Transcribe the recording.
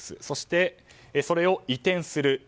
そして、それを移転する。